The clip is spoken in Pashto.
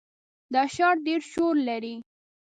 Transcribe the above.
دا ښار ډېر شور لري.